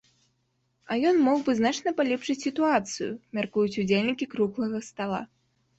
А ён мог бы значна палепшыць сітуацыю, мяркуюць удзельнікі круглага стала.